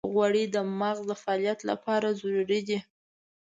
غوړې د مغز د فعالیت لپاره ضروري دي.